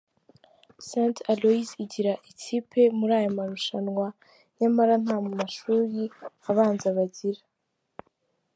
St Aloys igira ikipe muri aya marushanwa nyamara nta mashuli abanza bagira.